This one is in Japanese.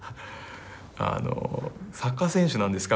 「サッカー選手なんですか？」